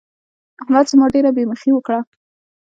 احمد زما ډېره بې مخي وکړه.